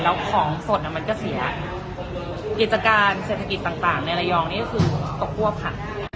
แล้วของสดมันก็เสียกิจการเศรษฐกิจต่างในระยองนี่ก็คือตกควบค่ะ